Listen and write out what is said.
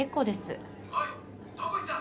おいどこ行った？